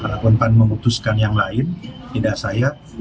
kalaupun kan memutuskan yang lain tidak saya